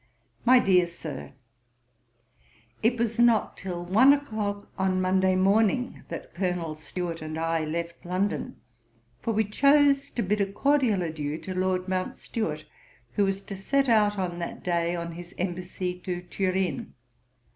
'My Dear Sir, 'It was not till one o'clock on Monday morning, that Colonel Stuart and I left London; for we chose to bid a cordial adieu to Lord Mountstuart, who was to set out on that day on his embassy to Turin.